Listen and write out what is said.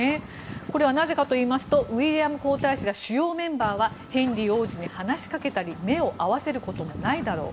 これはなぜかといいますとウィリアム皇太子や主要メンバーはヘンリー王子に話しかけたり目を合わせることもないだろう。